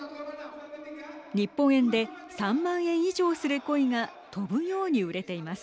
日本円で３万円以上する鯉が飛ぶように売れています。